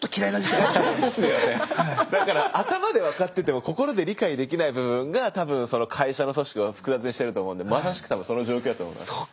だから頭で分かってても心で理解できない部分が多分会社の組織を複雑にしてると思うんでまさしく多分その状況だと思います。